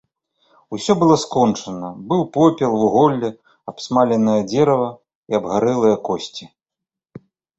Усё было скончана, быў попел, вуголле, абсмаленае дзерава і абгарэлыя косці.